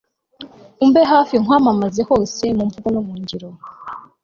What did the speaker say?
umbe hafi nkwamamze hose mu mvugo no mu ngiro